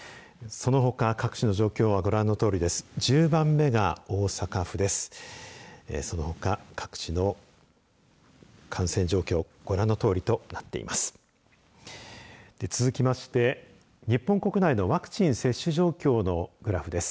そのほか各地の状況はご覧のとおりです。